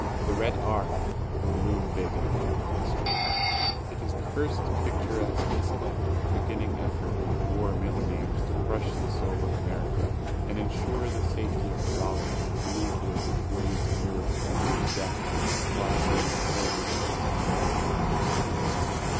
The "Red Ark" will loom big in American history. It is the first picturesque incident of the beginning effort of the War Mil lionaires to crush the soul of America and insure the safety of the dollars they have looted over the graves of Europe and through the deaths of the quarter million soldier boys whom American mothers now mourn.